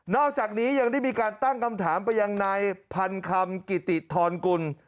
อกจากนี้ยังได้มีการตั้งคำถามไปยังนายพันคำกิติธรกุล